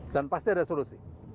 dan pasti ada solusi